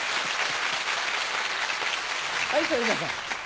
はい小遊三さん。